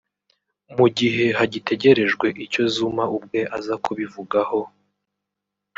mu gihe hagitegerejwe icyo Zuma ubwe aza kubivugaho